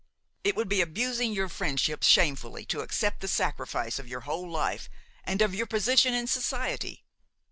It would be abusing your friendship shamefully to accept the sacrifice of your whole life and of your position in society.